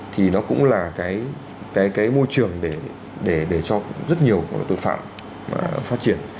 thì nó cũng là cái môi trường để cho rất nhiều tội phạm phát triển